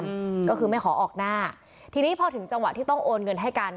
อืมก็คือไม่ขอออกหน้าทีนี้พอถึงจังหวะที่ต้องโอนเงินให้กัน